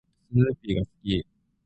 スヌーピーが好き。